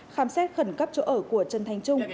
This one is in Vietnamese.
khám xét khẩn cấp chỗ ở của trần thành trung